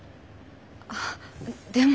あっでも。